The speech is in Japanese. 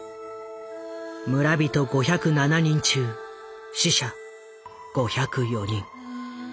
村人５０７人中死者５０４人。